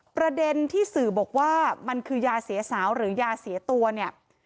ประเด็นที่สื่อบอกว่ามันคือยาเสียสาวหรือยาเสียตัวเนี่ย